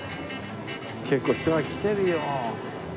結構人が来てるよ。